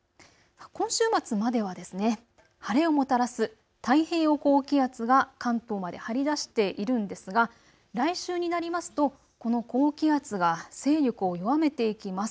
今週末までは晴れをもたらす太平洋高気圧が関東まで張り出しているんですが来週になりますと、この高気圧が勢力を弱めていきます。